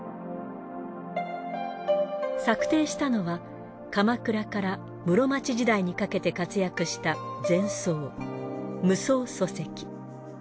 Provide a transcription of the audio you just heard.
作庭したのは鎌倉から室町時代にかけて活躍した禅僧夢窓疎石。